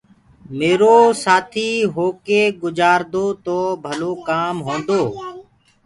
ميرو سآٿيٚ هوڪي گُجآردو تو ڀلو ڪآم هونٚدو